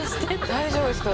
大丈夫ですか？